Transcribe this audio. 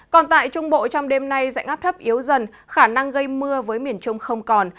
còn tại trung bộ trong đêm nay dạnh áp thấp yếu dần khả năng gây mưa với miền trung không còn